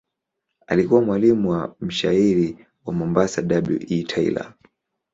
Alikuwa mwalimu wa mshairi wa Mombasa W. E. Taylor.